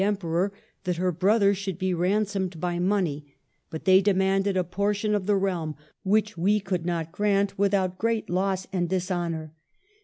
Emperor that her brother should be ransomed by money, but they demanded a portion of the realm, which we could not grant without great loss and dishonor.